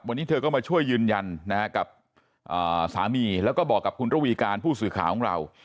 วันนี้เธอก็มาช่วยยืนยันนะฮะกับสามีแล้วก็บอกกับคุณระวีการผู้สื่อข่าวของเรา